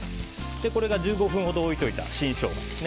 これが１５分ほど置いておいた新ショウガです。